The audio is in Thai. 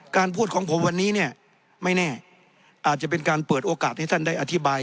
พูดของผมวันนี้เนี่ยไม่แน่อาจจะเป็นการเปิดโอกาสให้ท่านได้อธิบาย